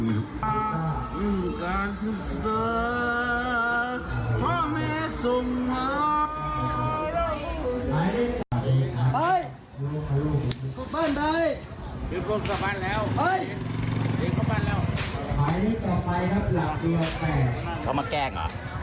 อ้อไม่ได้มาแก้ง